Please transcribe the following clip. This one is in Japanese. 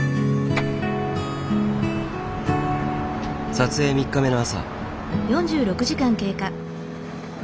撮影３日目の朝。